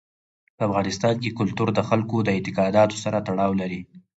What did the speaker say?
په افغانستان کې کلتور د خلکو د اعتقاداتو سره تړاو لري.